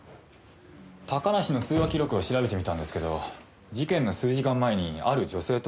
高梨の通話記録を調べてみたんですけど事件の数時間前にある女性と連絡を取ってますね。